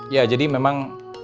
ya jadi memang